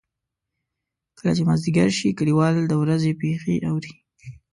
کله چې مازدیګر شي کلیوال د ورځې پېښې اوري.